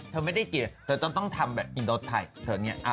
เธอไม่ได้แก่เธอต้องทำแบบอินโต๊ะไทย